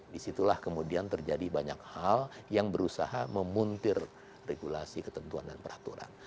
disitulah kemudian terjadi banyak hal yang berusaha memuntir regulasi ketentuan dan peraturan